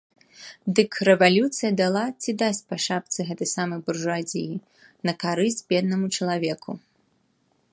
Дык рэвалюцыя дала ці дасць па шапцы гэтай самай буржуазіі, на карысць беднаму чалавеку.